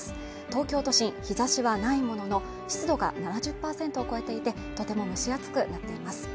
東京都心日差しはないものの湿度が７０％を超えていてとても蒸し暑くなっています